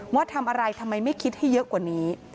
ว่าทำอะไรทำไมไม่คิดให้เยอะกว่านี้